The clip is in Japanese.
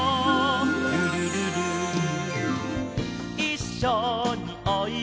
「ルルルル」「いっしょにおいでよ」